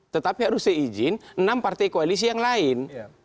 tetapi harus seizin enam partai koalisi yang lain